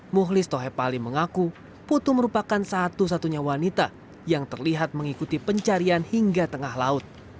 muhlis tohepali mengaku putu merupakan satu satunya wanita yang terlihat mengikuti pencarian hingga tengah laut